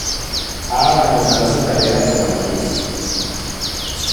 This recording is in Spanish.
Ha abandonado su carrera como actriz.